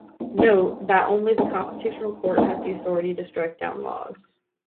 Note that only the Constitutional Court has the authority to strike down laws.